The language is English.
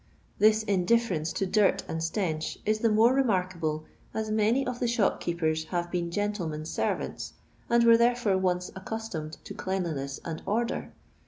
This indiffer ence to dirt and stench is the more remarkable, as many of the shopkeepers have been gentlemen's servants, and were therefire once accustomed to cleanliness and order.